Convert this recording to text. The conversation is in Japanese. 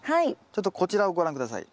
ちょっとこちらをご覧下さい。